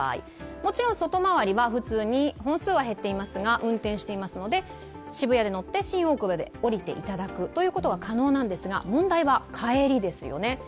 もちろん外回りは普通に、本数は減っていますが、運転していますので渋谷で乗って新大久保で降りていただくことは可能なんですが、問題は帰りですよね。